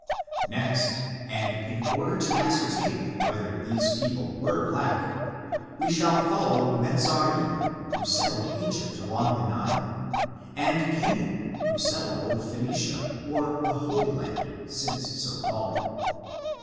Next, and in order to ascertain whether these peo ple were black, we shall follow Mezarim, who settled Egypt along the Nile, and Canaan, who settled old PliGDnicia, or the Holy Land, since so called.